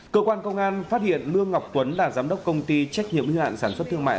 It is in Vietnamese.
cơ quan công an phát hiện lương ngọc tuấn là giám đốc công ty trách nhiệm hữu hạn sản xuất thương mại